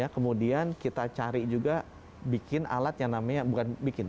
kemudian kita cari juga bikin alat yang namanya bukan bikin